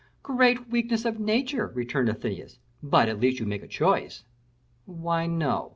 "Great weakness of nature," returned Athenais. "But at least you make a choice." "Why, no.